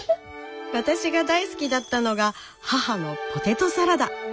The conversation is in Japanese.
私が大好きだったのが母のポテトサラダ。